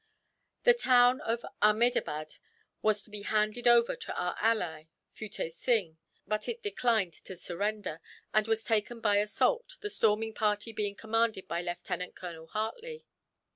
The town of Ahmedabad was to be handed over to our ally, Futteh Sing; but it declined to surrender, and was taken by assault, the storming party being commanded by Lieutenant Colonel Hartley.